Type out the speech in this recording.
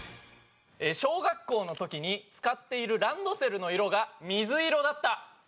小学校の時に使っているランドセルの色が水色だった。